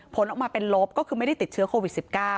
ผลออกมาเป็นลบก็คือไม่ได้ติดเชื้อโควิด๑๙